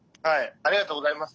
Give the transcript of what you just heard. ありがとうございます。